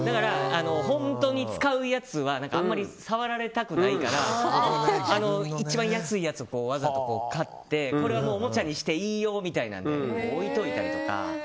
本当に使うやつはあまり触られたくないから一番安いやつをわざと買ってこれはおもちゃにしていい用で置いといたりとか。